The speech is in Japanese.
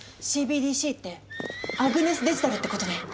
ＣＢＤＣってアグネスデジタルってことね。